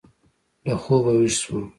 له خوبه وېښ شوم.